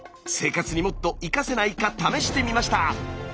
生活にもっと生かせないか試してみました。